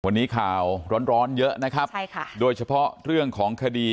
วันนี้ข่าวร้อนร้อนเยอะนะครับใช่ค่ะโดยเฉพาะเรื่องของคดี